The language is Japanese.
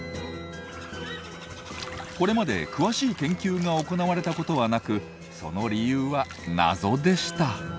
これまで詳しい研究が行われたことはなくその理由は謎でした。